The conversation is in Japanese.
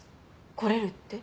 来れるって？